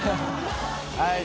はい。